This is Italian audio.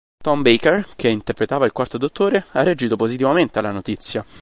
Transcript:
Tom Baker, che interpretava il Quarto Dottore, ha reagito positivamente alla notizia.